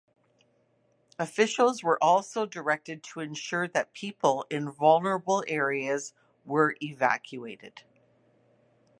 Officials were also directed to ensure that people in vulnerable areas were evacuated.